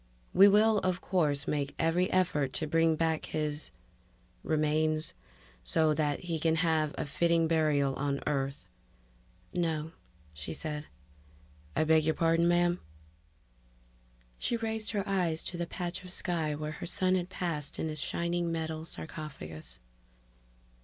"We will, of course, make every effort to bring back his ... remains ... so that he can have a fitting burial on Earth." "No," she said. "I beg your pardon, ma'am?" She raised her eyes to the patch of sky where her son had passed in his shining metal sarcophagus.